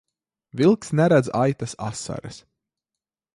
Vilks neredz aitas asaras.